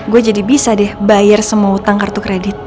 gue jadi bisa deh bayar semua utang kartu kredit